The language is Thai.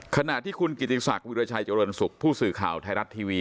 ขณะที่คุณกิติศักดิราชัยเจริญสุขผู้สื่อข่าวไทยรัฐทีวี